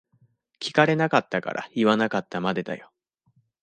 聞かれなかったから言わなかったまでだよ。